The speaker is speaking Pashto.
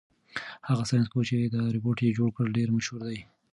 هغه ساینس پوه چې دا روبوټ یې جوړ کړ ډېر مشهور دی.